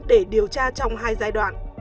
để điều tra trong hai giai đoạn